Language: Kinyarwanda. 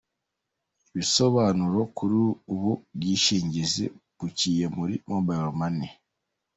Ibisobanuro kuri ubu bwishingizi buciye muri Mobile Money.